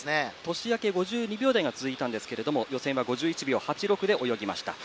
年明け５２秒台が続いたんですが予選は５１秒８６で泳ぎました。